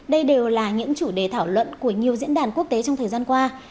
đây đều là những chủ đề thảo luận của nhiều diễn đàn quốc tế trong thời gian qua